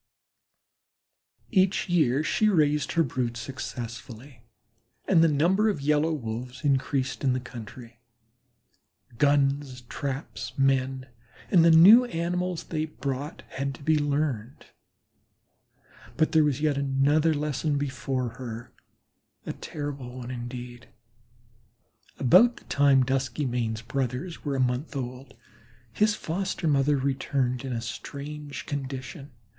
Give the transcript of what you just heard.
Each year she raised her brood successfully and the number of Yellow Wolves increased in the country. Guns, traps, men and the new animals they brought had been learned, but there was yet another lesson before her a terrible one indeed. About the time Duskymane's brothers were a month old his foster mother returned in a strange condition.